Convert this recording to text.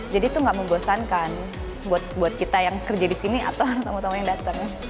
jadi itu gak membosankan buat kita yang kerja di sini atau teman teman yang datang